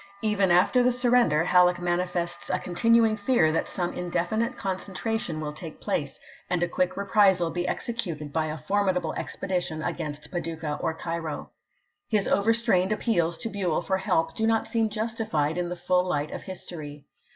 Even after the surrender Halleck manifests a continuing fear that some indefinite concentration will take place, and a quick reprisal be executed by a formidable expedition against Paducah or Cairo, His overstrained appeals to BueU for help do not seem justified in the full light of history.